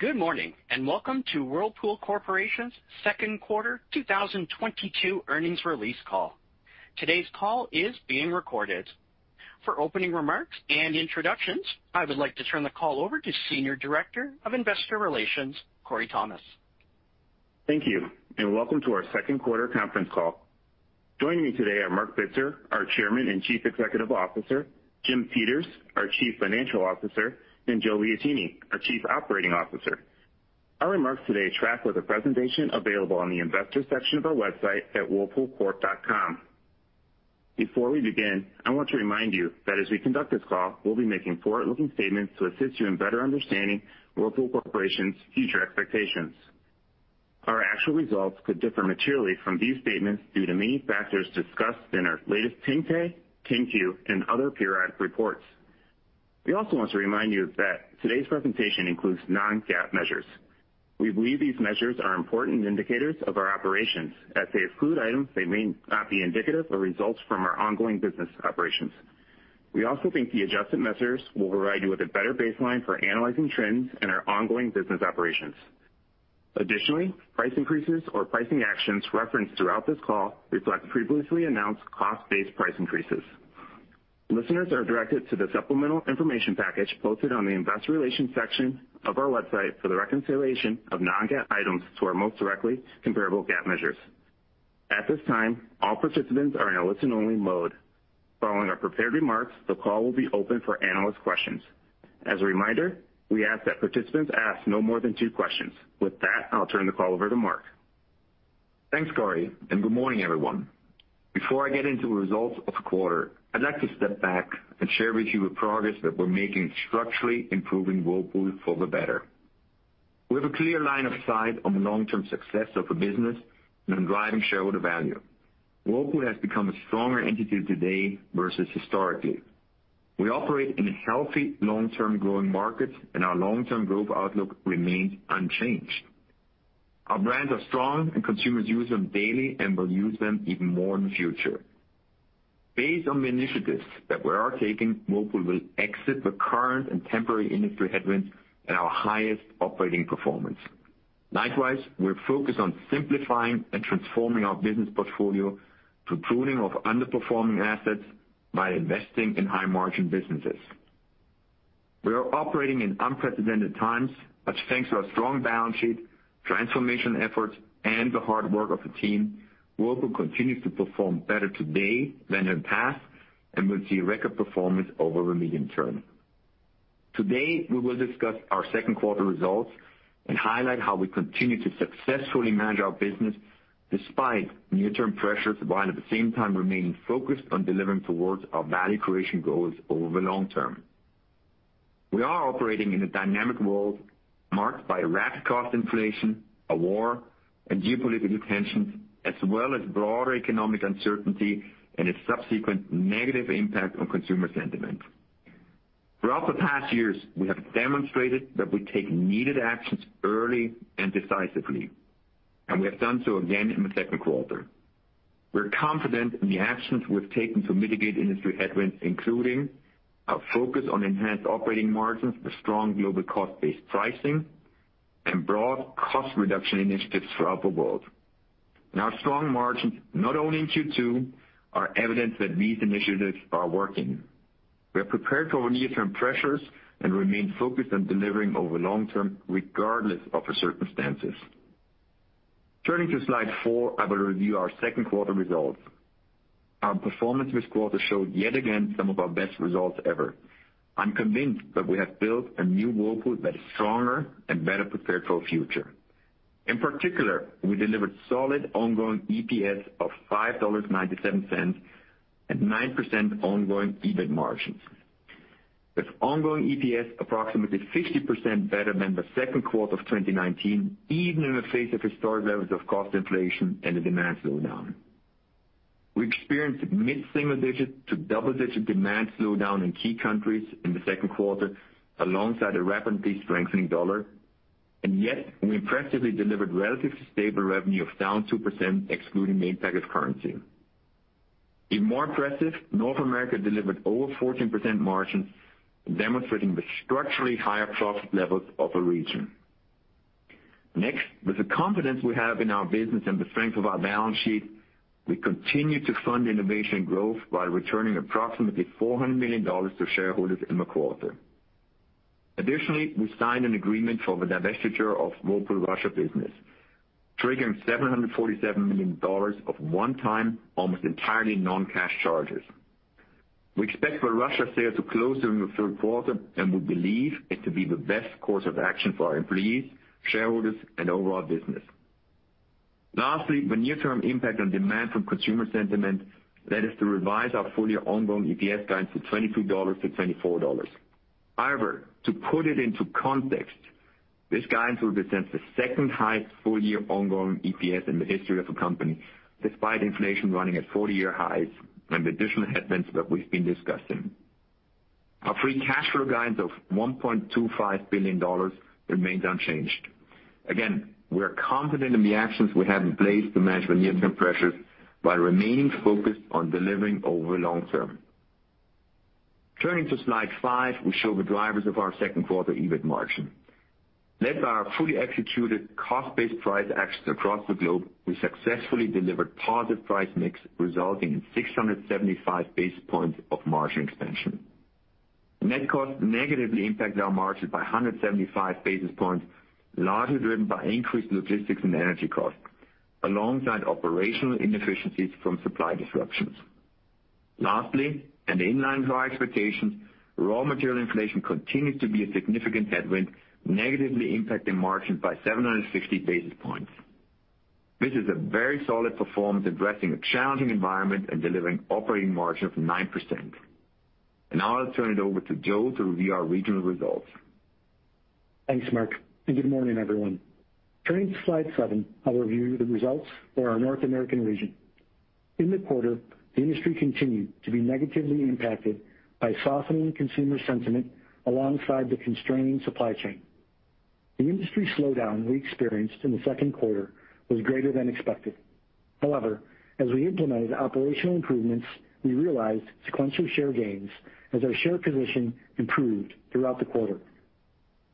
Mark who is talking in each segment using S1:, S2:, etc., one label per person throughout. S1: Good morning, and welcome to Whirlpool Corporation's second quarter 2022 earnings release call. Today's call is being recorded. For opening remarks and introductions, I would like to turn the call over to Senior Director of Investor Relations, Korey Thomas.
S2: Thank you, and welcome to our second quarter conference call. Joining me today are Marc Bitzer, our Chairman and Chief Executive Officer, Jim Peters, our Chief Financial Officer, and Joe Liotine, our Chief Operating Officer. Our remarks today track with a presentation available on the investor section of our website at WhirlpoolCorp.com. Before we begin, I want to remind you that as we conduct this call, we'll be making forward-looking statements to assist you in better understanding Whirlpool Corporation's future expectations. Our actual results could differ materially from these statements due to many factors discussed in our latest 10-K, 10-Q, and other periodic reports. We also want to remind you that today's presentation includes non-GAAP measures. We believe these measures are important indicators of our operations. As they exclude items, they may not be indicative of results from our ongoing business operations. We also think the adjusted measures will provide you with a better baseline for analyzing trends in our ongoing business operations. Additionally, price increases or pricing actions referenced throughout this call reflect previously announced cost-based price increases. Listeners are directed to the supplemental information package posted on the investor relations section of our website for the reconciliation of non-GAAP items to our most directly comparable GAAP measures. At this time, all participants are in a listen-only mode. Following our prepared remarks, the call will be open for analyst questions. As a reminder, we ask that participants ask no more than two questions. With that, I'll turn the call over to Marc.
S3: Thanks, Korey, and good morning, everyone. Before I get into the results of the quarter, I'd like to step back and share with you the progress that we're making structurally improving Whirlpool for the better. We have a clear line of sight on the long-term success of the business and on driving shareholder value. Whirlpool has become a stronger entity today versus historically. We operate in healthy long-term growing markets, and our long-term growth outlook remains unchanged. Our brands are strong, and consumers use them daily and will use them even more in the future. Based on the initiatives that we are taking, Whirlpool will exit the current and temporary industry headwinds at our highest operating performance. Likewise, we're focused on simplifying and transforming our business portfolio through pruning of underperforming assets by investing in high-margin businesses. We are operating in unprecedented times, but thanks to our strong balance sheet, transformation efforts, and the hard work of the team, Whirlpool continues to perform better today than in the past and will see record performance over the medium term. Today, we will discuss our second quarter results and highlight how we continue to successfully manage our business despite near-term pressures, while at the same time remaining focused on delivering towards our value creation goals over the long term. We are operating in a dynamic world marked by rapid cost inflation, a war, and geopolitical tensions, as well as broader economic uncertainty and its subsequent negative impact on consumer sentiment. Throughout the past years, we have demonstrated that we take needed actions early and decisively, and we have done so again in the second quarter. We're confident in the actions we've taken to mitigate industry headwinds, including our focus on enhanced operating margins with strong global cost-based pricing and broad cost reduction initiatives throughout the world. Our strong margins, not only in Q2, are evidence that these initiatives are working. We are prepared for near-term pressures and remain focused on delivering over long term regardless of the circumstances. Turning to slide four, I will review our second quarter results. Our performance this quarter showed yet again some of our best results ever. I'm convinced that we have built a new Whirlpool that is stronger and better prepared for the future. In particular, we delivered solid ongoing EPS of $5.97 and 9% ongoing EBIT margins. With ongoing EPS approximately 50% better than the second quarter of 2019, even in the face of historic levels of cost inflation and a demand slowdown. We experienced mid-single-digit to double-digit demand slowdown in key countries in the second quarter alongside a rapidly strengthening dollar, and yet we impressively delivered relatively stable revenue of down 2% excluding the impact of currency. Even more impressive, North America delivered over 14% margins, demonstrating the structurally higher profit levels of the region. Next, with the confidence we have in our business and the strength of our balance sheet, we continue to fund innovation growth while returning approximately $400 million to shareholders in the quarter. Additionally, we signed an agreement for the divestiture of Whirlpool Russia business, triggering $747 million of one-time, almost entirely non-cash charges. We expect the Russia sale to close during the third quarter, and we believe it to be the best course of action for our employees, shareholders, and overall business. Lastly, the near-term impact on demand from consumer sentiment led us to revise our full-year ongoing EPS guidance to $22-$24. However, to put it into context, this guidance represents the second highest full-year ongoing EPS in the history of the company, despite inflation running at 40-year highs and the additional headwinds that we've been discussing. Our free cash flow guidance of $1.25 billion remains unchanged. Again, we are confident in the actions we have in place to manage the near-term pressures while remaining focused on delivering over long term. Turning to slide five, we show the drivers of our second quarter EBIT margin. Led by our fully executed cost-based price actions across the globe, we successfully delivered positive price mix, resulting in 675 basis points of margin expansion. Net costs negatively impacted our margin by 175 basis points, largely driven by increased logistics and energy costs, alongside operational inefficiencies from supply disruptions. Lastly, and in line with our expectations, raw material inflation continued to be a significant headwind, negatively impacting margin by 760 basis points. This is a very solid performance addressing a challenging environment and delivering operating margin of 9%. Now I'll turn it over to Joe to review our regional results.
S4: Thanks, Marc, and good morning, everyone. Turning to slide seven, I'll review the results for our North American region. In the quarter, the industry continued to be negatively impacted by softening consumer sentiment alongside the constraining supply chain. The industry slowdown we experienced in the second quarter was greater than expected. However, as we implemented operational improvements, we realized sequential share gains as our share position improved throughout the quarter.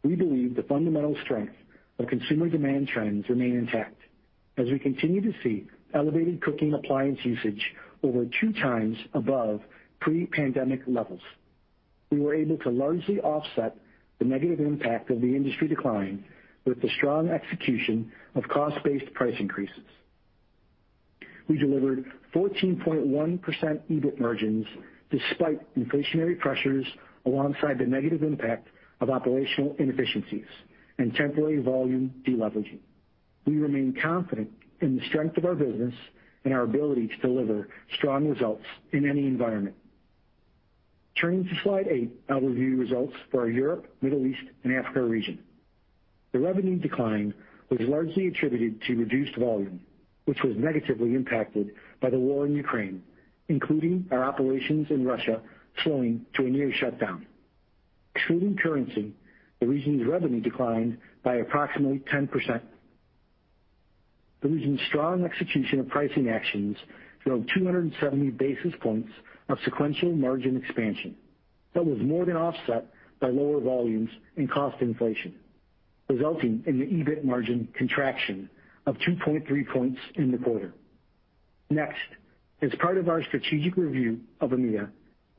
S4: We believe the fundamental strength of consumer demand trends remain intact as we continue to see elevated cooking appliance usage over 2x above pre-pandemic levels. We were able to largely offset the negative impact of the industry decline with the strong execution of cost-based price increases. We delivered 14.1% EBIT margins despite inflationary pressures alongside the negative impact of operational inefficiencies and temporary volume de-leveraging. We remain confident in the strength of our business and our ability to deliver strong results in any environment. Turning to slide eight, I'll review results for our Europe, Middle East, and Africa region. The revenue decline was largely attributed to reduced volume, which was negatively impacted by the war in Ukraine, including our operations in Russia slowing to a near shutdown. Excluding currency, the region's revenue declined by approximately 10%. The region's strong execution of pricing actions drove 270 basis points of sequential margin expansion. That was more than offset by lower volumes and cost inflation, resulting in the EBIT margin contraction of 2.3 points in the quarter. Next, as part of our strategic review of EMEA,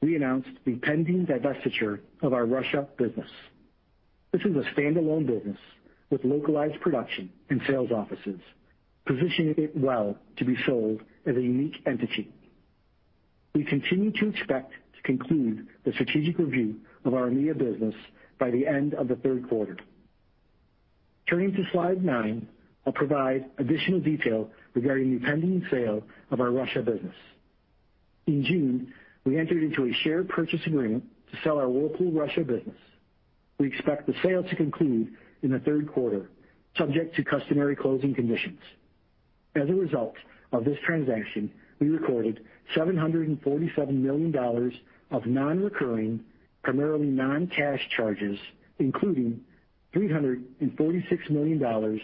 S4: we announced the pending divestiture of our Russia business. This is a standalone business with localized production and sales offices, positioning it well to be sold as a unique entity. We continue to expect to conclude the strategic review of our EMEA business by the end of the third quarter. Turning to slide nine, I'll provide additional detail regarding the pending sale of our Russia business. In June, we entered into a share purchase agreement to sell our local Russia business. We expect the sale to conclude in the third quarter, subject to customary closing conditions. As a result of this transaction, we recorded $747 million of non-recurring, primarily non-cash charges, including $346 million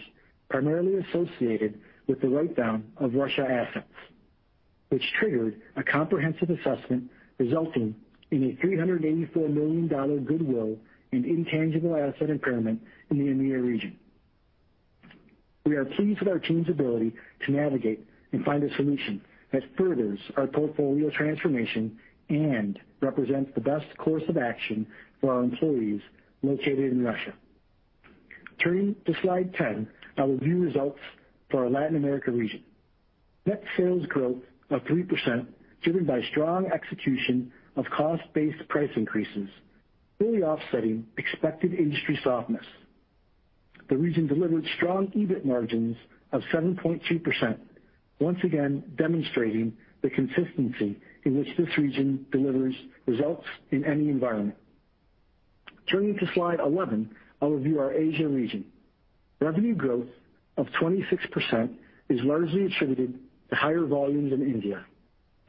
S4: primarily associated with the write-down of Russia assets, which triggered a comprehensive assessment resulting in a $384 million goodwill and intangible asset impairment in the EMEA region. We are pleased with our team's ability to navigate and find a solution that furthers our portfolio transformation and represents the best course of action for our employees located in Russia. Turning to slide 10, I'll review results for our Latin America region. Net sales growth of 3% driven by strong execution of cost-based price increases, fully offsetting expected industry softness. The region delivered strong EBIT margins of 7.2%, once again demonstrating the consistency in which this region delivers results in any environment. Turning to slide 11, I'll review our Asia region. Revenue growth of 26% is largely attributed to higher volumes in India,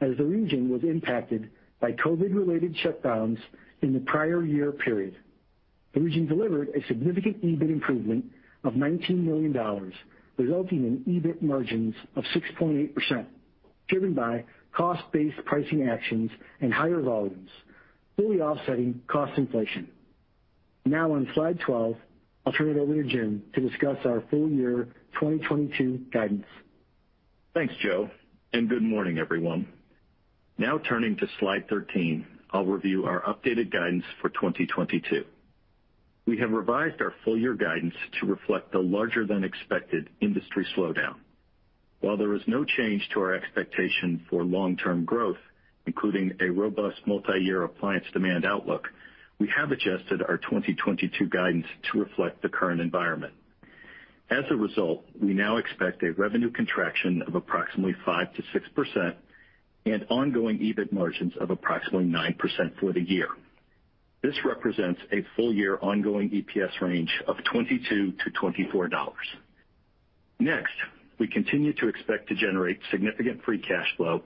S4: as the region was impacted by COVID-related shutdowns in the prior year period. The region delivered a significant EBIT improvement of $19 million, resulting in EBIT margins of 6.8%, driven by cost-based pricing actions and higher volumes, fully offsetting cost inflation. Now on slide 12, I'll turn it over to Jim to discuss our full year 2022 guidance.
S5: Thanks, Joe, and good morning, everyone. Now turning to slide 13, I'll review our updated guidance for 2022. We have revised our full year guidance to reflect the larger than expected industry slowdown. While there is no change to our expectation for long-term growth, including a robust multiyear appliance demand outlook, we have adjusted our 2022 guidance to reflect the current environment. As a result, we now expect a revenue contraction of approximately 5%-6% and ongoing EBIT margins of approximately 9% for the year. This represents a full year ongoing EPS range of $22-$24. Next, we continue to expect to generate significant free cash flow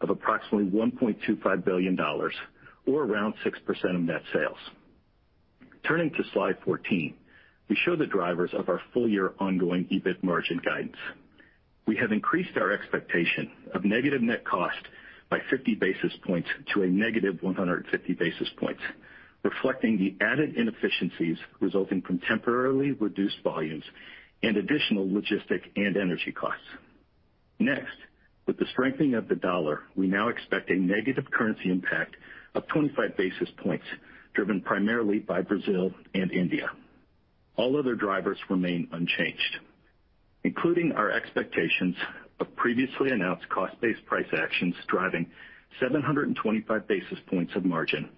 S5: of approximately $1.25 billion or around 6% of net sales. Turning to slide 14, we show the drivers of our full-year ongoing EBIT margin guidance. We have increased our expectation of negative net cost by 50 basis points to a negative 150 basis points, reflecting the added inefficiencies resulting from temporarily reduced volumes and additional logistics and energy costs. Next, with the strengthening of the dollar, we now expect a negative currency impact of 25 basis points, driven primarily by Brazil and India. All other drivers remain unchanged, including our expectations of previously announced cost-based price actions driving 725 basis points of margin,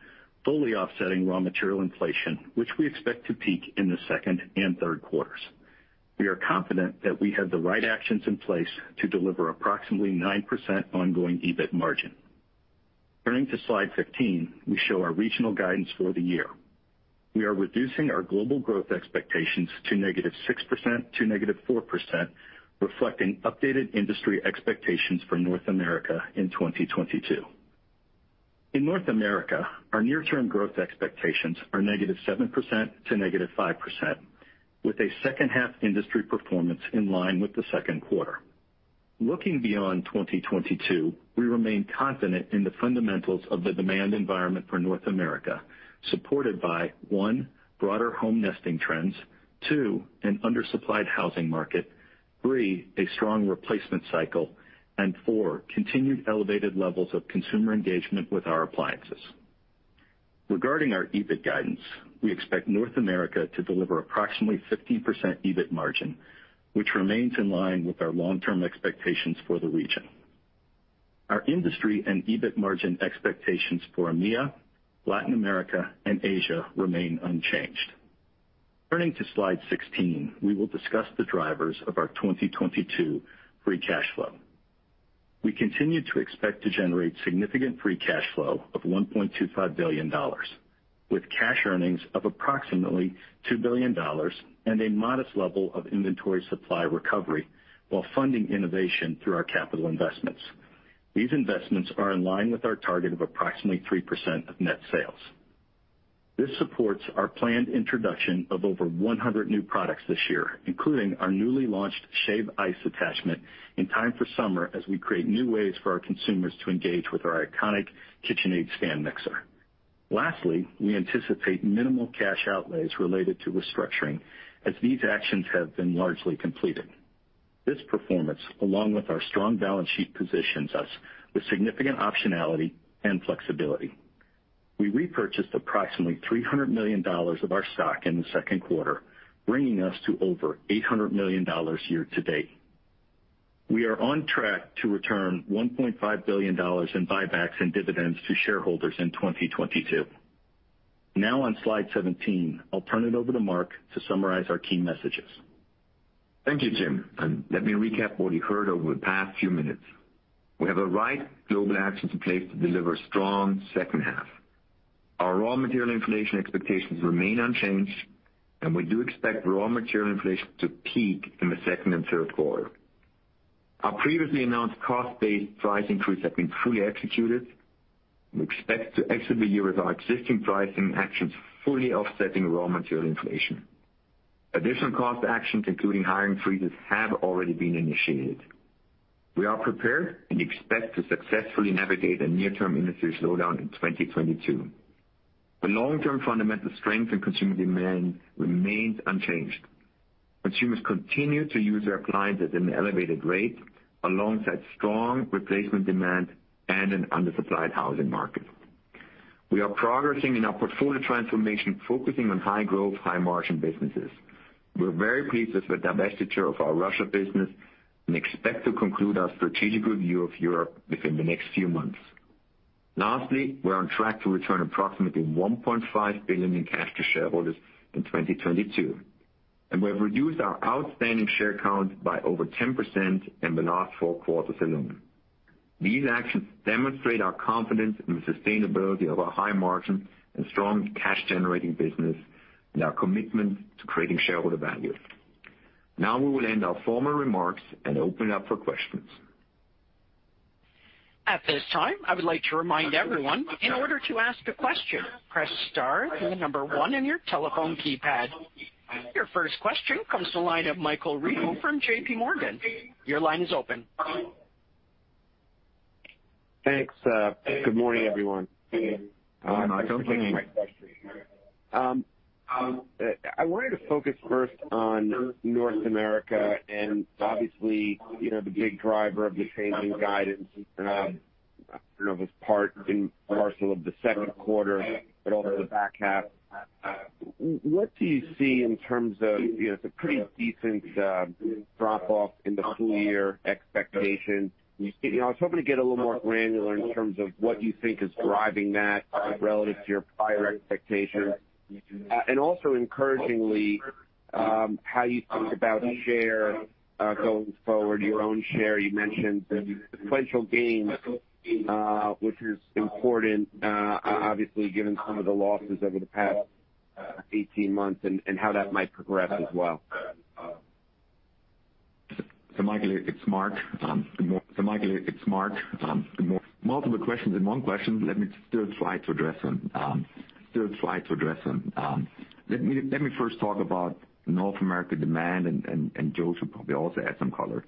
S5: fully offsetting raw material inflation, which we expect to peak in the second and third quarters. We are confident that we have the right actions in place to deliver approximately 9% ongoing EBIT margin. Turning to slide 15, we show our regional guidance for the year. We are reducing our global growth expectations to -6% to -4%, reflecting updated industry expectations for North America in 2022. In North America, our near-term growth expectations are -7% to -5%, with a second half industry performance in line with the second quarter. Looking beyond 2022, we remain confident in the fundamentals of the demand environment for North America, supported by, one, broader home nesting trends, two, an undersupplied housing market, three, a strong replacement cycle, and four, continued elevated levels of consumer engagement with our appliances. Regarding our EBIT guidance, we expect North America to deliver approximately 15% EBIT margin, which remains in line with our long-term expectations for the region. Our industry and EBIT margin expectations for EMEA, Latin America, and Asia remain unchanged. Turning to slide 16, we will discuss the drivers of our 2022 free cash flow. We continue to expect to generate significant free cash flow of $1.25 billion, with cash earnings of approximately $2 billion and a modest level of inventory supply recovery while funding innovation through our capital investments. These investments are in line with our target of approximately 3% of net sales. This supports our planned introduction of over 100 new products this year, including our newly launched Shave Ice Attachment in time for summer as we create new ways for our consumers to engage with our iconic KitchenAid stand mixer. Lastly, we anticipate minimal cash outlays related to restructuring as these actions have been largely completed. This performance, along with our strong balance sheet, positions us with significant optionality and flexibility. We repurchased approximately $300 million of our stock in the second quarter, bringing us to over $800 million year to date. We are on track to return $1.5 billion in buybacks and dividends to shareholders in 2022. Now on slide 17, I'll turn it over to Marc to summarize our key messages.
S3: Thank you, Jim, and let me recap what you heard over the past few minutes. We have the right global actions in place to deliver strong second half. Our raw material inflation expectations remain unchanged, and we do expect raw material inflation to peak in the second and third quarter. Our previously announced cost-based price increase have been fully executed. We expect to exit the year with our existing pricing actions fully offsetting raw material inflation. Additional cost actions, including hiring freezes, have already been initiated. We are prepared and expect to successfully navigate a near-term industry slowdown in 2022. The long-term fundamental strength in consumer demand remains unchanged. Consumers continue to use their appliances at an elevated rate alongside strong replacement demand and an undersupplied housing market. We are progressing in our portfolio transformation, focusing on high-growth, high-margin businesses. We're very pleased with the divestiture of our Russia business and expect to conclude our strategic review of Europe within the next few months. We're on track to return approximately $1.5 billion in cash to shareholders in 2022, and we have reduced our outstanding share count by over 10% in the last four quarters alone. These actions demonstrate our confidence in the sustainability of our high margin and strong cash-generating business and our commitment to creating shareholder value. Now we will end our formal remarks and open it up for questions.
S1: At this time, I would like to remind everyone, in order to ask a question, press star then the number one in your telephone keypad. Your first question comes from the line of Michael Rehaut from JPMorgan. Your line is open.
S6: Thanks. Good morning, everyone.
S3: Hi, Michael. Good morning.
S6: I wanted to focus first on North America, and obviously, you know, the big driver of the changing guidance, you know, was part and parcel of the second quarter, but also the back half. What do you see in terms of, you know, it's a pretty decent drop-off in the full year expectations. You know, I was hoping to get a little more granular in terms of what you think is driving that relative to your prior expectations. Also encouragingly, how you think about share, going forward, your own share. You mentioned the sequential gains, which is important, obviously given some of the losses over the past 18 months and how that might progress as well.
S3: Michael, it's Marc. Multiple questions in one question. Let me try to address them. Let me first talk about North America demand and Joe should probably also add some color.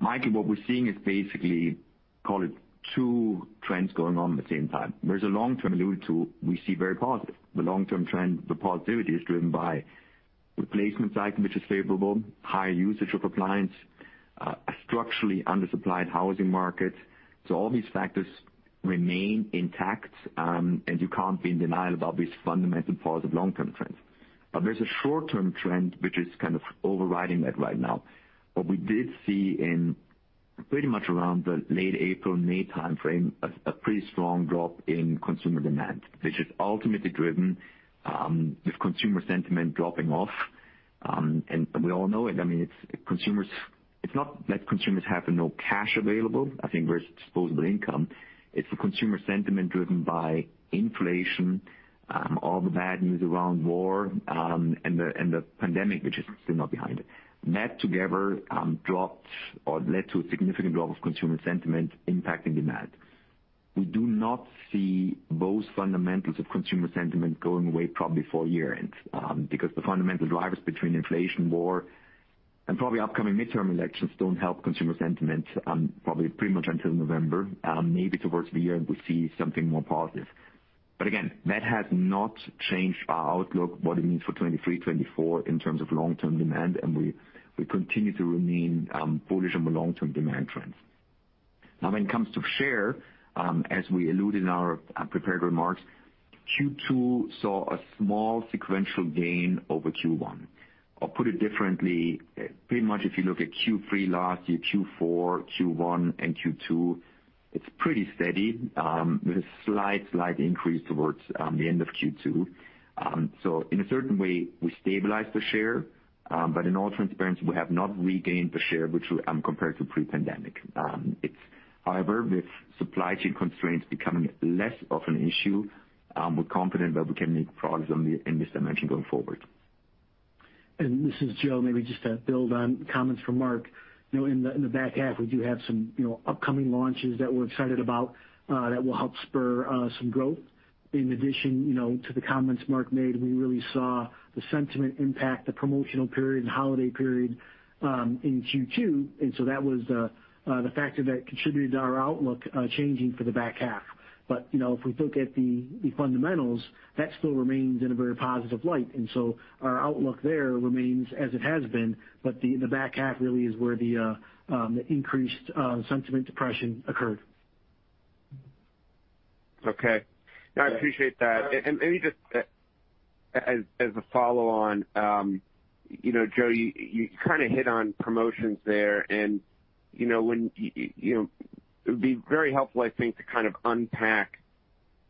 S3: Michael, what we're seeing is basically call it two trends going on at the same time. There's a long-term alluded to we see very positive. The long term trend, the positivity is driven by replacement cycle, which is favorable, high usage of appliance, structurally under-supplied housing markets. All these factors remain intact, and you can't be in denial about these fundamental positive long-term trends. But there's a short-term trend which is kind of overriding that right now. What we did see in pretty much around the late April, May timeframe, a pretty strong drop in consumer demand, which is ultimately driven with consumer sentiment dropping off. We all know it. I mean, it's consumers—it's not that consumers have no cash available. I think there's disposable income. It's the consumer sentiment driven by inflation, all the bad news around war, and the pandemic, which is still not behind it. Net together dropped or led to a significant drop of consumer sentiment impacting demand. We do not see both fundamentals of consumer sentiment going away probably before year-end, because the fundamental drivers between inflation, war, and probably upcoming midterm elections don't help consumer sentiment, probably pretty much until November, maybe towards the year-end, we see something more positive. Again, that has not changed our outlook, what it means for 2023, 2024 in terms of long-term demand, and we continue to remain bullish on the long-term demand trends. Now when it comes to share, as we alluded in our prepared remarks, Q2 saw a small sequential gain over Q1. Put it differently, pretty much if you look at Q3 last year, Q4, Q1, and Q2, it's pretty steady, with a slight increase towards the end of Q2. In a certain way, we stabilize the share. In all transparency, we have not regained the share which we compared to pre-pandemic. However, with supply chain constraints becoming less of an issue, we're confident that we can make progress in this dimension going forward.
S4: This is Joseph T. Liotine. Maybe just to build on comments from Marc Bitzer. You know, in the back half, we do have some upcoming launches that we're excited about that will help spur some growth. In addition, you know, to the comments Marc Bitzer made, we really saw the sentiment impact the promotional period and holiday period in Q2. That was the factor that contributed to our outlook changing for the back half. You know, if we look at the fundamentals, that still remains in a very positive light. Our outlook there remains as it has been, but the back half really is where the increased sentiment depression occurred.
S6: Okay. I appreciate that. Maybe just as a follow on, you know, Joe, you kinda hit on promotions there and, you know, it would be very helpful, I think, to kind of unpack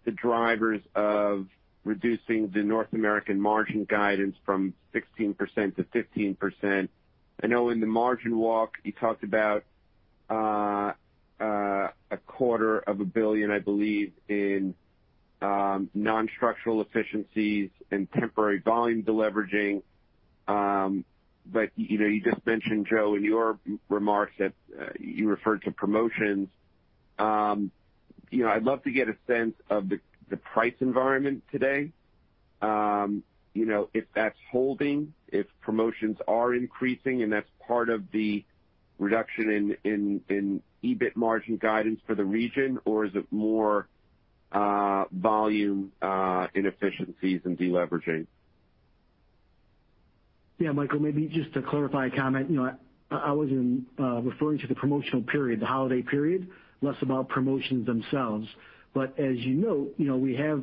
S6: the drivers of reducing the North American margin guidance from 16%-15%. I know in the margin walk, you talked about a quarter of a billion, I believe, in non-structural efficiencies and temporary volume deleveraging. You know, you just mentioned, Joe, in your remarks that you referred to promotions. You know, I'd love to get a sense of the price environment today. You know, if that's holding, if promotions are increasing, and that's part of the reduction in EBIT margin guidance for the region, or is it more volume inefficiencies and deleveraging?
S4: Yeah, Michael, maybe just to clarify a comment. You know, I was referring to the promotional period, the holiday period, less about promotions themselves. As you note, you know, we have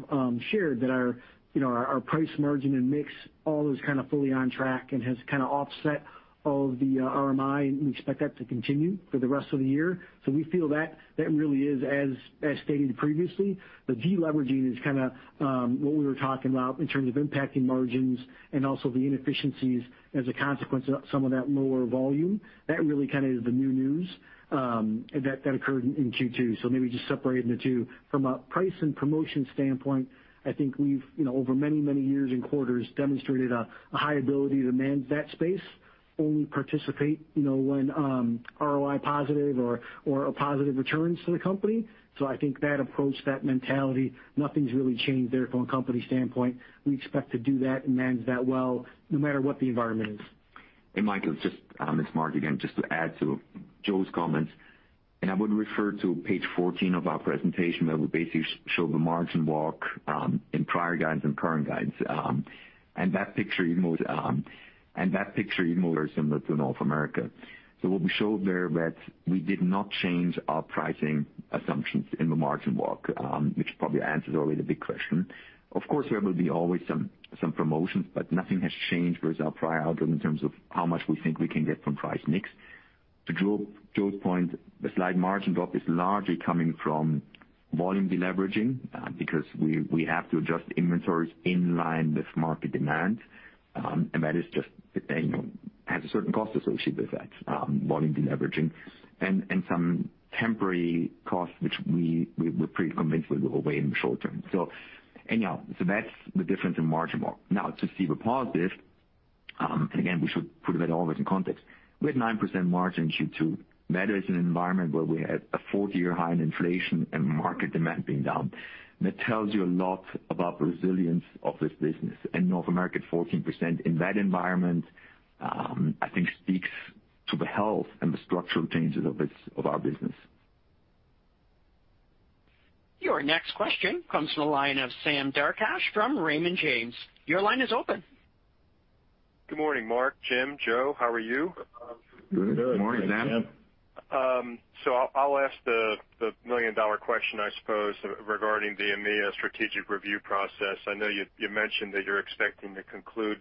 S4: shared that our, you know, our price margin and mix all is kind of fully on track and has kinda offset all of the RMI, and we expect that to continue for the rest of the year. We feel that really is, as stated previously. The deleveraging is kinda what we were talking about in terms of impacting margins and also the inefficiencies as a consequence of some of that lower volume. That really kinda is the new news that occurred in Q2. Maybe just separating the two. From a price and promotion standpoint, I think we've, you know, over many, many years and quarters, demonstrated a high ability to manage that space, only participate, you know, when ROI positive or a positive returns to the company. I think that approach, that mentality, nothing's really changed there from a company standpoint. We expect to do that and manage that well, no matter what the environment is.
S3: Michael, just, it's Marc again, just to add to Joe's comments. I would refer to page 14 of our presentation that we basically show the margin walk in prior guides and current guides. That picture even more similar to North America. What we showed there that we did not change our pricing assumptions in the margin walk, which probably answers already the big question. Of course, there will be always some promotions, but nothing has changed versus our prior outcome in terms of how much we think we can get from price mix. To Joe's point, the slight margin drop is largely coming from volume deleveraging, because we have to adjust inventories in line with market demand. That is just has a certain cost associated with that, volume deleveraging and some temporary costs which we're pretty convinced will go away in the short term. Anyhow, that's the difference in margin. Now to see the positive, again, we should put a bit of all this in context. We had 9% margin in Q2. That is an environment where we had a 40-year high in inflation and market demand being down. That tells you a lot about the resilience of this business in North America at 14% in that environment, I think speaks to the health and the structural changes of our business.
S1: Your next question comes from the line of Sam Darkatsh from Raymond James. Your line is open.
S7: Good morning, Marc, Jim, Joe, how are you?
S3: Good morning, Sam.
S7: I'll ask the million-dollar question, I suppose, regarding the EMEA strategic review process. I know you mentioned that you're expecting to conclude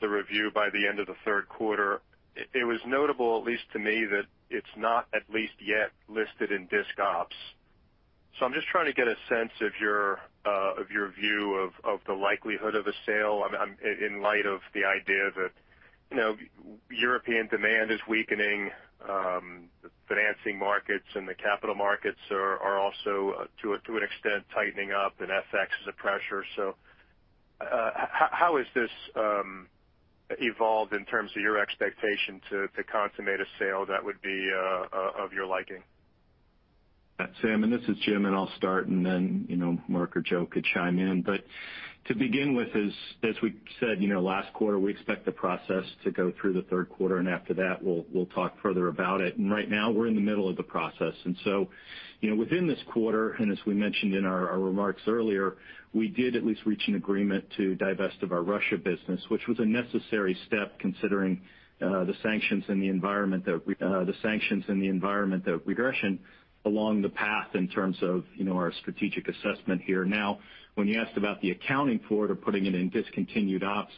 S7: the review by the end of the third quarter. It was notable, at least to me, that it's not at least yet listed in discontinued operations. I'm just trying to get a sense of your view of the likelihood of a sale. I'm in light of the idea that, you know, European demand is weakening, the financing markets and the capital markets are also to an extent tightening up, and FX is a pressure. How has this evolved in terms of your expectation to consummate a sale that would be of your liking?
S5: Sam, this is Jim, and I'll start, and then, you know, Marc or Joe could chime in. To begin with, as we said, you know, last quarter, we expect the process to go through the third quarter, and after that, we'll talk further about it. Right now we're in the middle of the process. You know, within this quarter, and as we mentioned in our remarks earlier, we did at least reach an agreement to divest of our Whirlpool Russia, which was a necessary step considering the sanctions and the environment, that aggression along the path in terms of, you know, our strategic assessment here. Now, when you asked about the accounting for it or putting it in discontinued ops,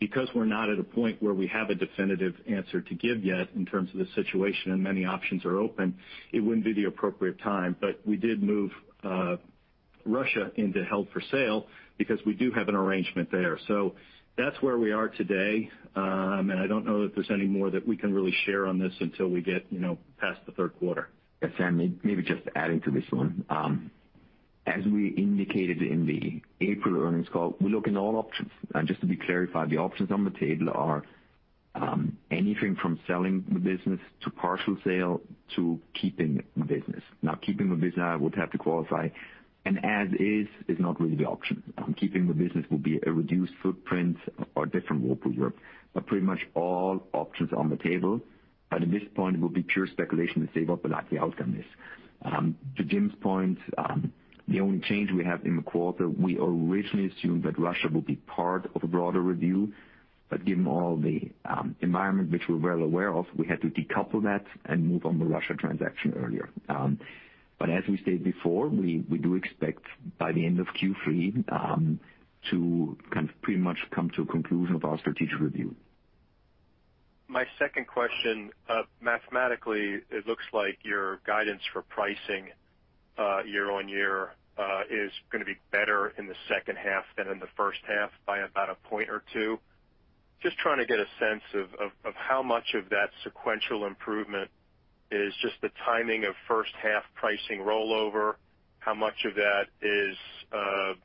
S5: because we're not at a point where we have a definitive answer to give yet in terms of the situation and many options are open, it wouldn't be the appropriate time. We did move Russia into held for sale because we do have an arrangement there. That's where we are today. I don't know that there's any more that we can really share on this until we get, you know, past the third quarter.
S3: Yes, Sam, maybe just adding to this one. As we indicated in the April earnings call, we're looking at all options. Just to be clarified, the options on the table are anything from selling the business to partial sale to keeping the business. Now, keeping the business, I would have to qualify. As is is not really the option. Keeping the business will be a reduced footprint or different workload. Pretty much all options on the table. At this point, it will be pure speculation to say what the likely outcome is. To Jim's point, the only change we have in the quarter, we originally assumed that Russia would be part of a broader review. Given all the environment which we're well aware of, we had to decouple that and move on the Russia transaction earlier. As we stated before, we do expect by the end of Q3 to kind of pretty much come to a conclusion of our strategic review.
S7: My second question, mathematically, it looks like your guidance for pricing, year on year, is gonna be better in the second half than in the first half by about a point or two. Just trying to get a sense of how much of that sequential improvement is just the timing of first half pricing rollover, how much of that is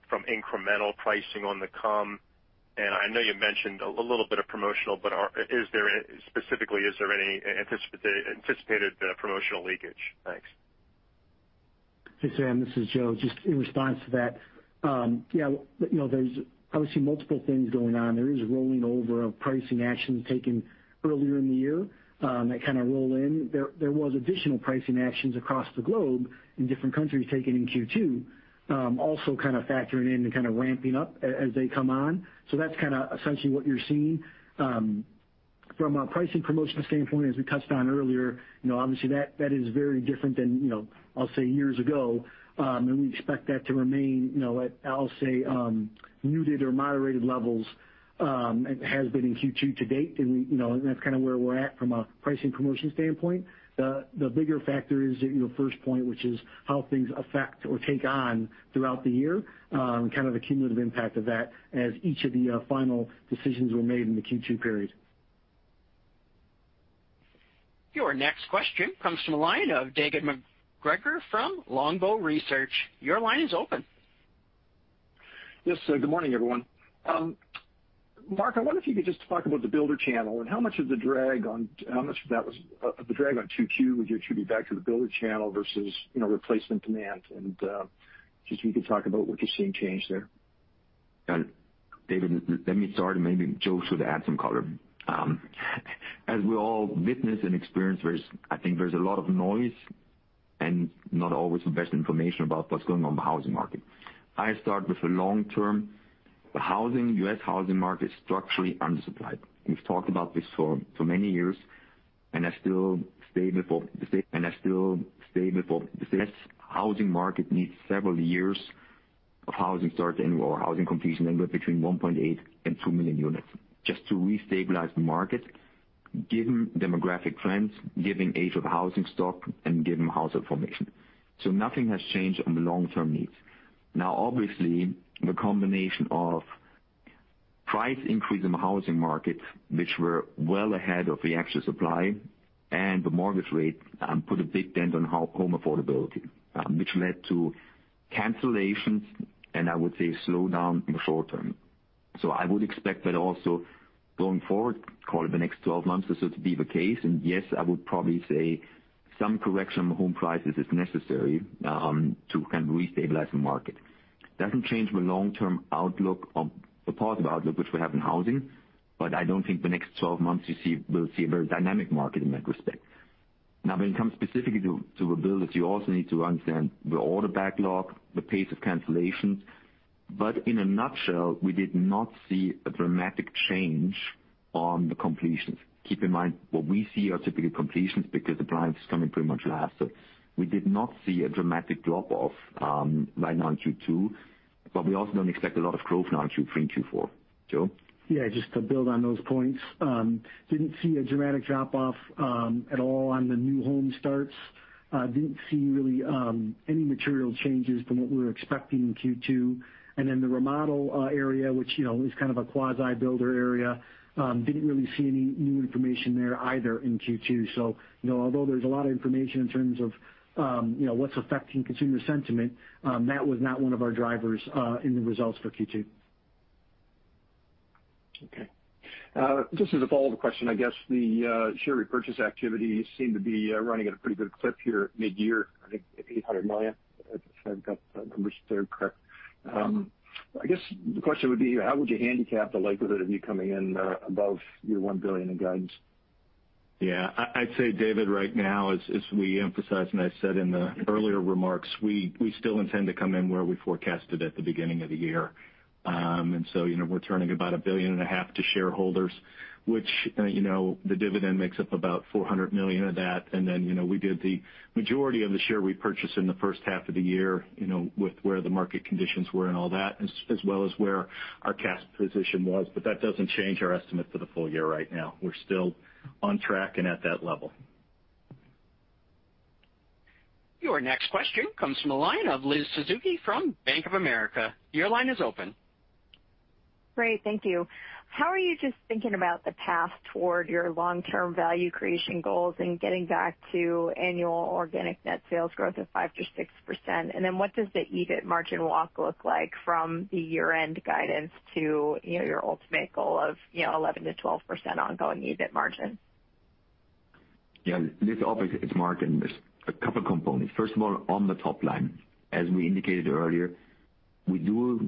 S7: from incremental pricing on the come. I know you mentioned a little bit of promotional, but is there specifically any anticipated promotional leakage? Thanks.
S4: Hey, Sam, this is Joe. Just in response to that, yeah, you know, there's obviously multiple things going on. There is rolling over of pricing actions taken earlier in the year, that kind of roll in. There was additional pricing actions across the globe in different countries taken in Q2, also kind of factoring in and kind of ramping up as they come on. That's kinda essentially what you're seeing. From a pricing promotion standpoint, as we touched on earlier, you know, obviously that is very different than, you know, I'll say years ago. We expect that to remain, you know, at I'll say, muted or moderated levels, and has been in Q2 to date. We, you know, and that's kinda where we're at from a pricing promotion standpoint. The bigger factor is your first point, which is how things affect or take on throughout the year, kind of the cumulative impact of that as each of the final decisions were made in the Q2 period.
S1: Your next question comes from the line of David MacGregor from Longbow Research. Your line is open.
S8: Yes. Good morning, everyone. Marc, I wonder if you could just talk about the builder channel and how much of that was the drag on 2Q would you attribute back to the builder channel versus, you know, replacement demand? Just if you could talk about what you're seeing change there.
S3: David, let me start, and maybe Joe should add some color. As we all witness and experience, I think there's a lot of noise and not always the best information about what's going on in the housing market. I start with the long term. The housing, U.S. housing market is structurally undersupplied. We've talked about this for many years, and I still say before housing market needs several years of housing starts annual or housing completion anywhere between 1.8-2 million units just to restabilize the market. Given demographic trends, given age of housing stock and given household formation. Nothing has changed on the long-term needs. Now, obviously, the combination of price increase in the housing market, which were well ahead of the actual supply and the mortgage rate, put a big dent on home affordability, which led to cancellations and I would say slowdown in the short term. I would expect that also going forward, call it the next 12 months or so, to be the case. Yes, I would probably say some correction on home prices is necessary, to kind of restabilize the market. Doesn't change the long-term outlook of the positive outlook which we have in housing. I don't think the next 12 months we'll see a very dynamic market in that respect. Now, when it comes specifically to builders, you also need to understand the order backlog, the pace of cancellations. In a nutshell, we did not see a dramatic change on the completions. Keep in mind, what we see are typically completions because the appliance is coming pretty much last. We did not see a dramatic drop-off right now in Q2, but we also don't expect a lot of growth now in Q3 and Q4. Joe.
S4: Yeah, just to build on those points, didn't see a dramatic drop-off at all on the new home starts. Didn't see really any material changes from what we were expecting in Q2. Then the remodel area, which, you know, is kind of a quasi builder area, didn't really see any new information there either in Q2. You know, although there's a lot of information in terms of you know what's affecting consumer sentiment, that was not one of our drivers in the results for Q2.
S8: Okay. Just as a follow-up question, I guess the share repurchase activity seemed to be running at a pretty good clip here mid-year, I think $800 million, if I've got the numbers there correct. I guess the question would be how would you handicap the likelihood of you coming in above your $1 billion in guidance?
S5: Yeah. I'd say, David, right now, as we emphasized and I said in the earlier remarks, we still intend to come in where we forecasted at the beginning of the year. You know, we're turning about $1.5 billion to shareholders, which, you know, the dividend makes up about $400 million of that. You know, we did the majority of the share repurchase in the first half of the year, you know, with where the market conditions were and all that, as well as where our cash position was. That doesn't change our estimate for the full year right now. We're still on track and at that level.
S1: Your next question comes from the line of Elizabeth Suzuki from Bank of America. Your line is open.
S9: Great. Thank you. How are you just thinking about the path toward your long-term value creation goals and getting back to annual organic net sales growth of 5%-6%? What does the EBIT margin walk look like from the year-end guidance to, you know, your ultimate goal of, you know, 11%-12% ongoing EBIT margin?
S3: Yeah. This obviously is margin. There's a couple components. First of all, on the top line, as we indicated earlier, we do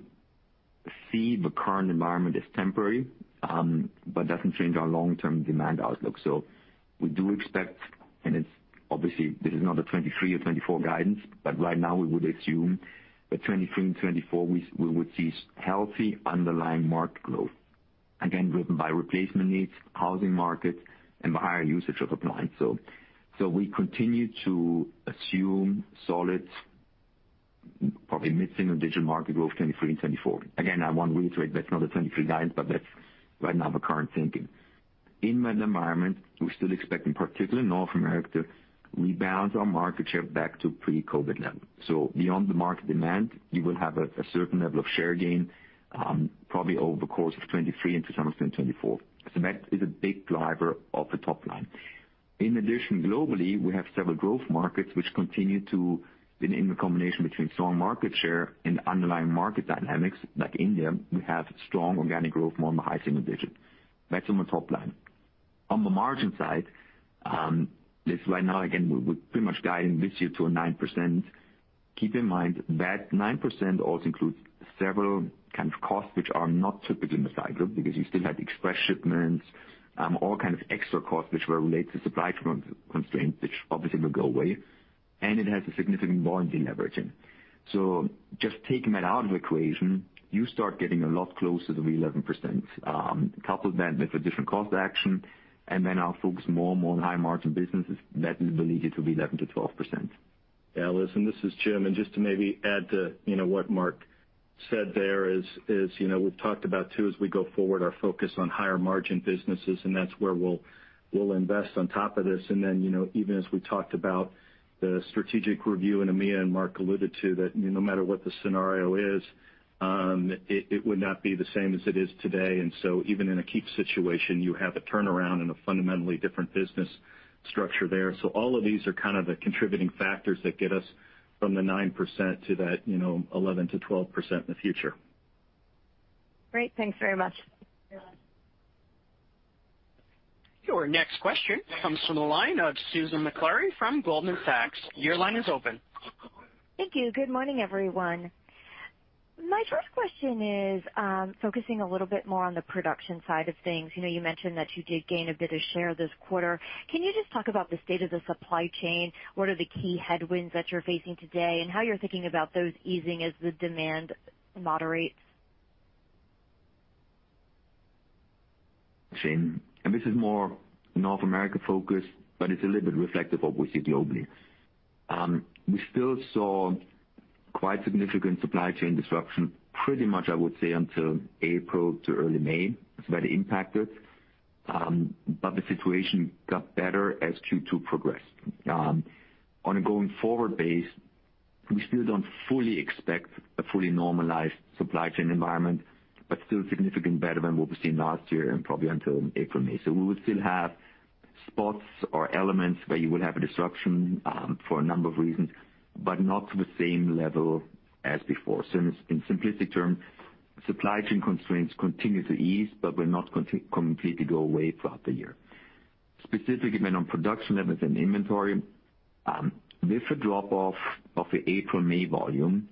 S3: see the current environment as temporary, but doesn't change our long-term demand outlook. We do expect, and it's obviously this is not a 2023 or 2024 guidance, but right now we would assume that 2023 and 2024 we would see healthy underlying market growth, again, driven by replacement needs, housing markets and the higher usage of appliances. We continue to assume solid, probably mid-single digit market growth 2023 and 2024. Again, I want to reiterate, that's not a 2023 guidance, but that's right now the current thinking. In that environment, we're still expecting, particularly in North America, to rebalance our market share back to pre-COVID level. Beyond the market demand, you will have a certain level of share gain, probably over the course of 2023 into some of 2024. That is a big driver of the top line. In addition, globally, we have several growth markets which continue in the combination between strong market share and underlying market dynamics, like India, we have strong organic growth more in the high single digits. That's on the top line. On the margin side, this right now again, we're pretty much guiding this year to a 9%. Keep in mind that 9% also includes several kind of costs which are not typical in the cycle because you still had express shipments, all kinds of extra costs which were related to supply constraints, which obviously will go away, and it has a significant volume deleveraging. Just taking that out of the equation, you start getting a lot closer to the 11%. Couple that with a different cost action and then our focus more and more on high margin businesses, that we believe it will be 11%-12%.
S5: Yeah, Liz, and this is Jim. Just to maybe add to, you know, what Marc said there is, you know, we've talked about too, as we go forward, our focus on higher margin businesses, and that's where we'll invest on top of this. Then, you know, even as we talked about the strategic review in EMEA, and Marc alluded to that no matter what the scenario is, it would not be the same as it is today. Even in a keep situation, you have a turnaround and a fundamentally different business structure there. All of these are kind of the contributing factors that get us from the 9% to that, you know, 11%-12% in the future.
S9: Great. Thanks very much.
S1: Your next question comes from the line of Susan Maklari from Goldman Sachs. Your line is open.
S10: Thank you. Good morning, everyone. My first question is, focusing a little bit more on the production side of things. You know, you mentioned that you did gain a bit of share this quarter. Can you just talk about the state of the supply chain? What are the key headwinds that you're facing today, and how you're thinking about those easing as the demand moderates?
S3: Sure. This is more North America focused, but it's a little bit reflective of what we see globally. We still saw quite significant supply chain disruption pretty much, I would say, until April to early May. It's very impacted. The situation got better as Q2 progressed. On a going forward basis, we still don't fully expect a fully normalized supply chain environment, but still significantly better than what we've seen last year and probably until April, May. We would still have spots or elements where you would have a disruption, for a number of reasons, but not to the same level as before. In simple terms, supply chain constraints continue to ease, but will not completely go away throughout the year. Specifically then on production and within inventory, with a drop off of the April, May volume,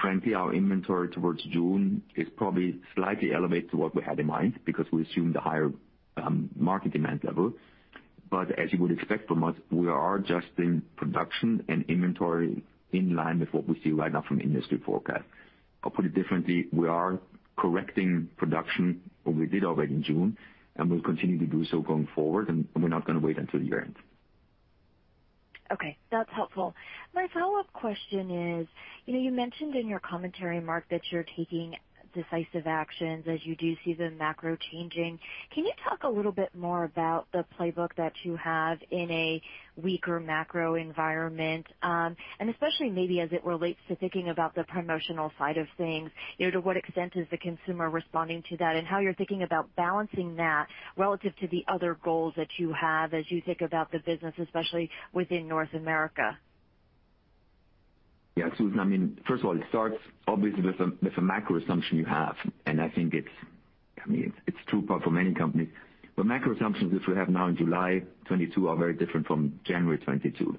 S3: frankly, our inventory towards June is probably slightly elevated to what we had in mind because we assumed a higher market demand level. As you would expect from us, we are adjusting production and inventory in line with what we see right now from industry forecast. I'll put it differently. We are correcting production, or we did already in June, and we'll continue to do so going forward, and we're not gonna wait until year-end.
S10: Okay, that's helpful. My follow-up question is, you know, you mentioned in your commentary, Marc, that you're taking decisive actions as you do see the macro changing. Can you talk a little bit more about the playbook that you have in a weaker macro environment? And especially maybe as it relates to thinking about the promotional side of things. You know, to what extent is the consumer responding to that, and how you're thinking about balancing that relative to the other goals that you have as you think about the business, especially within North America?
S3: Yeah. Susan, I mean, first of all, it starts obviously with a macro assumption you have, and I think it's, I mean, it's true for many companies. The macro assumptions which we have now in July 2022 are very different from January 2022.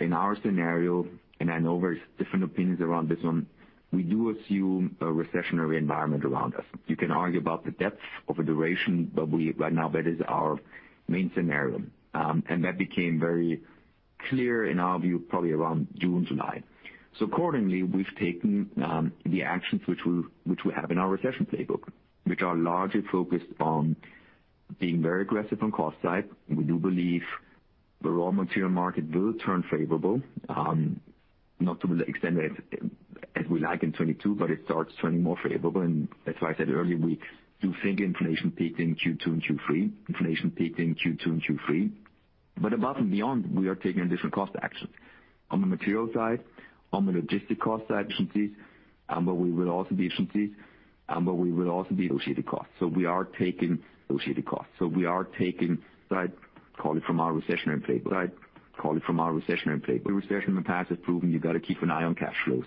S3: In our scenario, and I know there's different opinions around this one, we do assume a recessionary environment around us. You can argue about the depth or duration, but right now that is our main scenario. That became very clear in our view probably around June, July. Accordingly, we've taken the actions which we have in our recession playbook, which are largely focused on being very aggressive on cost side. We do believe the raw material market will turn favorable, not to the extent as we like in 2022, but it starts turning more favorable. As I said earlier, we do think inflation peaked in Q2 and Q3. Above and beyond, we are taking different cost actions. On the material side, on the logistics cost side, efficiencies. We are taking associated costs. We are taking, say, call it from our recessionary playbook. The recession in the past has proven you gotta keep an eye on cash flow.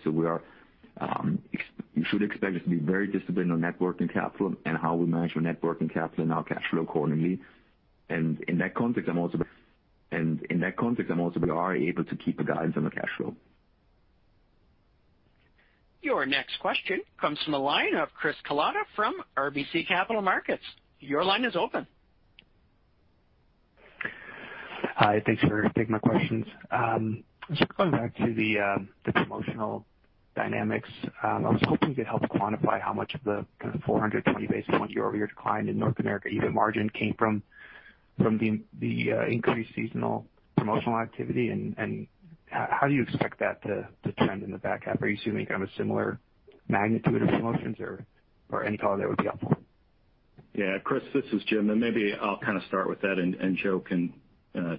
S3: You should expect us to be very disciplined on net working capital and how we manage our net working capital and our cash flow accordingly. In that context, we are able to keep a guidance on the cash flow.
S1: Your next question comes from the line of Chris Kalata from RBC Capital Markets. Your line is open.
S11: Hi, thanks for taking my questions. Just going back to the promotional dynamics, I was hoping you could help quantify how much of the kind of 420 basis points year-over-year decline in North America EBIT margin came from the increased seasonal promotional activity, and how do you expect that to trend in the back half? Are you assuming kind of a similar magnitude of promotions or any thought that would be helpful?
S5: Yeah. Chris, this is Jim, and maybe I'll kinda start with that and Joe can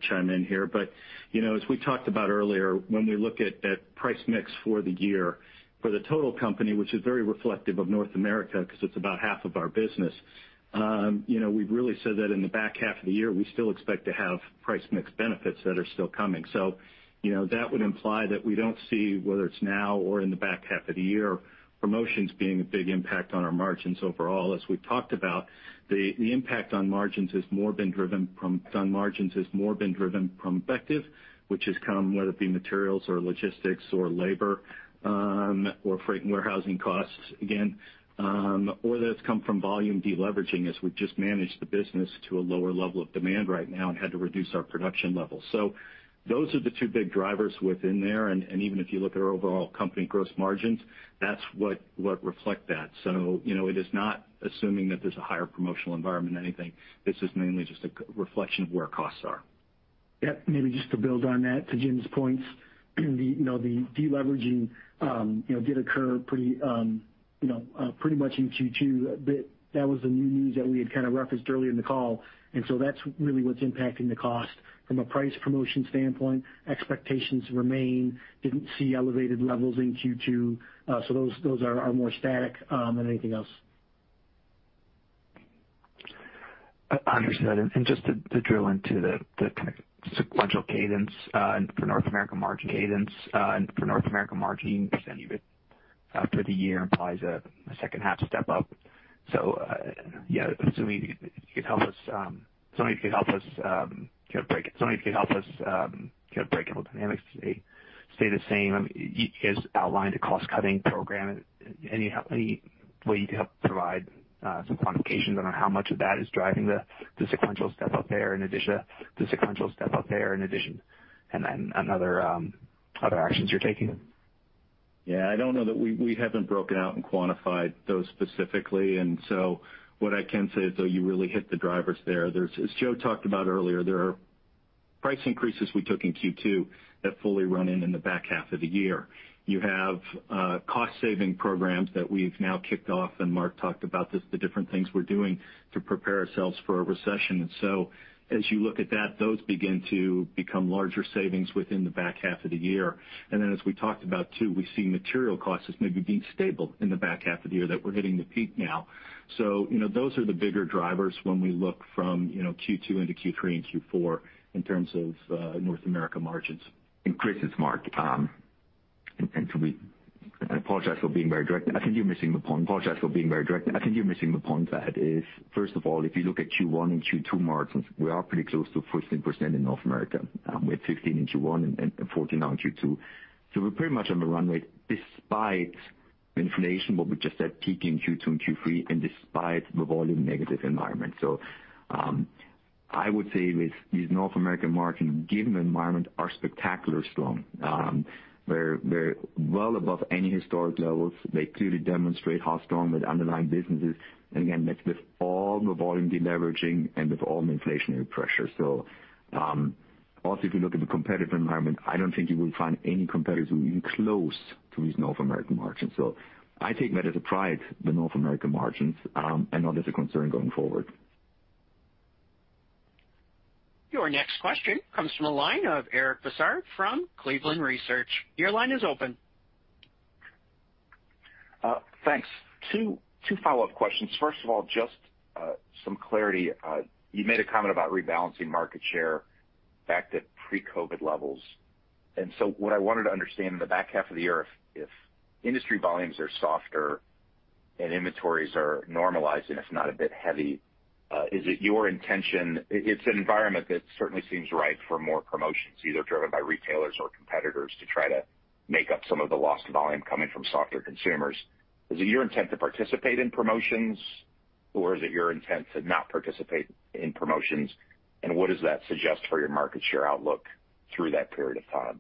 S5: chime in here. You know, as we talked about earlier, when we look at that price mix for the year, for the total company, which is very reflective of North America 'cause it's about half of our business, you know, we've really said that in the back half of the year, we still expect to have price mix benefits that are still coming. You know, that would imply that we don't see whether it's now or in the back half of the year, promotions being a big impact on our margins overall. As we've talked about, the impact on margins has more been driven from. Our margins have more been driven by efficiencies, which have come whether it be materials or logistics or labor, or freight and warehousing costs again, or that it's come from volume de-leveraging as we've just managed the business to a lower level of demand right now and had to reduce our production levels. Those are the two big drivers within there, and even if you look at our overall company gross margins, that's what reflects that. You know, it is not assuming that there's a higher promotional environment or anything. This is mainly just a reflection of where costs are.
S3: Yeah. Maybe just to build on that, to Jim's points, you know, the de-leveraging did occur pretty much in Q2, but that was the new news that we had kinda referenced earlier in the call, and so that's really what's impacting the cost. From a price promotion standpoint, expectations remain. Didn't see elevated levels in Q2, so those are more static than anything else.
S11: Understood. Just to drill into the kind of sequential cadence for North America margin cadence and for North America margin percentage for the year implies a second half step up. Assuming you could help us kinda break down how the dynamics stay the same. You just outlined a cost-cutting program. Any way you could help provide some quantification on how much of that is driving the sequential step-up there in addition and then any other actions you're taking?
S5: Yeah, I don't know that we haven't broken out and quantified those specifically. What I can say, though, you really hit the drivers there. As Joe talked about earlier, price increases we took in Q2 have fully run in the back half of the year. You have cost saving programs that we've now kicked off, and Marc talked about this, the different things we're doing to prepare ourselves for a recession. As you look at that, those begin to become larger savings within the back half of the year. As we talked about too, we see material costs as maybe being stable in the back half of the year, that we're hitting the peak now. You know, those are the bigger drivers when we look from, you know, Q2 into Q3 and Q4 in terms of North America margins.
S3: Chris, it's Marc. I apologize for being very direct, but I think you're missing the point. That is, first of all, if you look at Q1 and Q2 margins, we are pretty close to 14% in North America. We had 15% in Q1 and 14% now in Q2. We're pretty much on the runway despite the inflation, what we just said, peaking in Q2 and Q3 and despite the volume negative environment. I would say with these North American margin, given the environment, are spectacular strong. They're well above any historic levels. They clearly demonstrate how strong the underlying business is. Again, that's with all the volume deleveraging and with all the inflationary pressures. Also if you look at the competitive environment, I don't think you will find any competitors who are even close to these North American margins. I take that as a pride, the North American margins, and not as a concern going forward.
S1: Your next question comes from the line of Eric Bosshard from Cleveland Research. Your line is open.
S12: Thanks. Two follow-up questions. First of all, just some clarity. You made a comment about rebalancing market share back to pre-COVID levels. What I wanted to understand in the back half of the year, if industry volumes are softer and inventories are normalizing, if not a bit heavy, is it your intention? It's an environment that certainly seems ripe for more promotions, either driven by retailers or competitors to try to make up some of the lost volume coming from softer consumers. Is it your intent to participate in promotions or is it your intent to not participate in promotions? What does that suggest for your market share outlook through that period of time?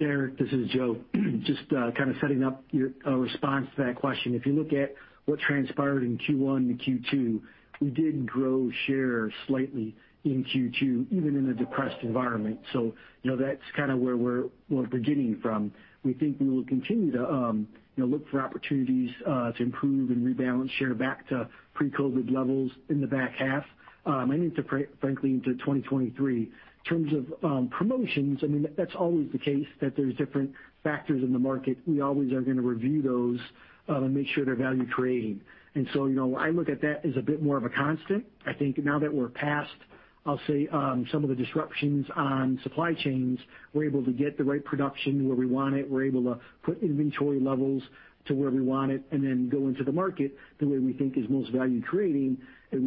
S4: Eric, this is Joe. Just kind of setting up your response to that question. If you look at what transpired in Q1 and Q2, we did grow share slightly in Q2, even in a depressed environment. You know, that's kinda where we're beginning from. We think we will continue to, you know, look for opportunities to improve and rebalance share back to pre-COVID levels in the back half, and into frankly 2023. In terms of promotions, I mean, that's always the case that there's different factors in the market. We always are gonna review those, and make sure they're value creating. You know, I look at that as a bit more of a constant. I think now that we're past, I'll say, some of the disruptions on supply chains, we're able to get the right production where we want it. We're able to put inventory levels to where we want it and then go into the market the way we think is most value creating in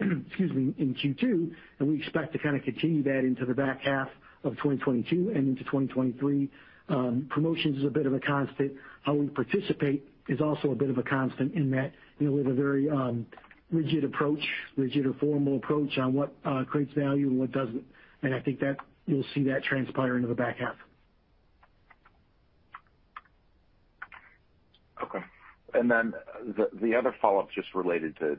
S4: Q2, and we expect to kinda continue that into the back half of 2022 and into 2023. Promotions is a bit of a constant. How we participate is also a bit of a constant in that, you know, we have a very rigid or formal approach on what creates value and what doesn't. I think that you'll see that transpire into the back half.
S12: Okay. The other follow-up just related to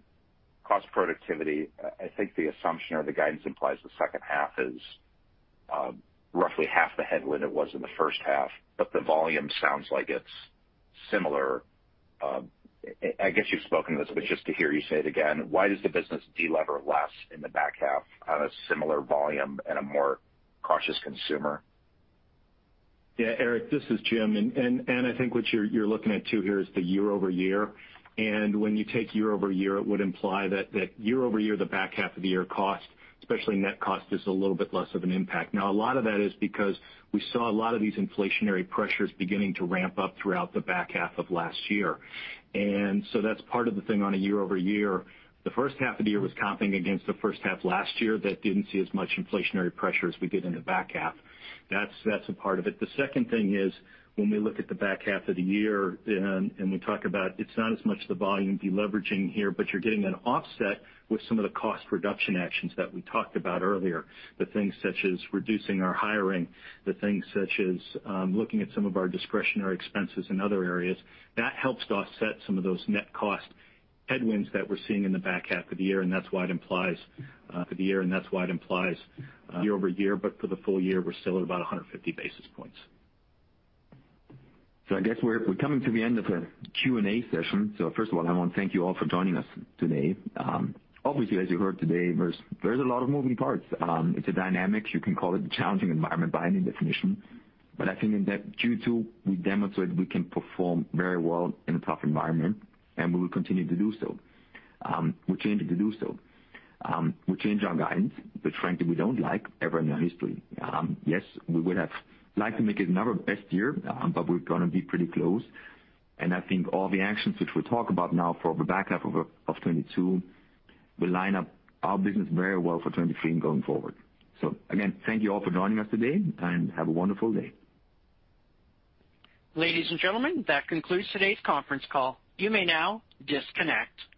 S12: cost productivity. I think the assumption or the guidance implies the second half is roughly half the headwind it was in the first half, but the volume sounds like it's similar. I guess you've spoken to this, but just to hear you say it again, why does the business de-lever less in the back half on a similar volume and a more cautious consumer?
S5: Yeah, Eric, this is Jim. I think what you're looking at too here is the year-over-year. When you take year-over-year, it would imply that year-over-year, the back half of the year cost, especially net cost, is a little bit less of an impact. Now a lot of that is because we saw a lot of these inflationary pressures beginning to ramp up throughout the back half of last year. That's part of the thing on a year-over-year. The first half of the year was comping against the first half last year that didn't see as much inflationary pressure as we did in the back half. That's a part of it. The second thing is when we look at the back half of the year and we talk about it's not as much the volume de-leveraging here, but you're getting an offset with some of the cost reduction actions that we talked about earlier, the things such as reducing our hiring, the things such as looking at some of our discretionary expenses in other areas. That helps to offset some of those net cost headwinds that we're seeing in the back half of the year, and that's why it implies year-over-year, but for the full year, we're still at about 150 basis points.
S3: I guess we're coming to the end of our Q&A session. First of all, I wanna thank you all for joining us today. Obviously, as you heard today, there's a lot of moving parts. It's a dynamic. You can call it a challenging environment by any definition, but I think in that Q2, we demonstrated we can perform very well in a tough environment, and we will continue to do so. We're changing to do so. We changed our guidance, which frankly we don't like ever in our history. Yes, we would have liked to make it another best year, but we're gonna be pretty close. I think all the actions which we'll talk about now for the back half of 2022 will line up our business very well for 2023 and going forward. Again, thank you all for joining us today, and have a wonderful day.
S1: Ladies and gentlemen, that concludes today's conference call. You may now disconnect.